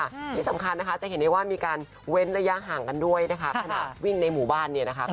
ที่สำคัญนะคะจะเห็นได้ว่ามีการเว้นระยะห่างกันด้วยนะคะขนาดวิ่งในหมู่บ้านเนี่ยนะคะ